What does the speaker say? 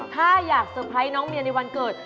ถ้าอยากเซอร์ไพรส์น้องเมียในวันเกิด